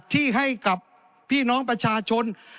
ที่ให้กับพี่น้องประชาชน